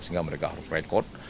sehingga mereka harus rekod